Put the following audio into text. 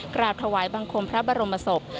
กราบถวายบังคมพระบรมศพ